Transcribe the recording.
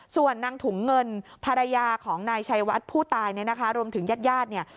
ส่วนนางถุงเงินภรรยาของนายชัยวัดผู้ตายเนี่ยนะคะรวมถึงญาติญาติเนี่ย